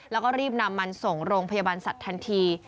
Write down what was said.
แล้วก็รีบนำมันส่งโรงพยาบาลสัตว์ทันที